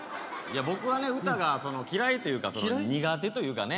僕はね歌が嫌いというか苦手というかね。